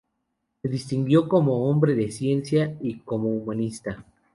Se distinguió como hombre de ciencia y como humanista.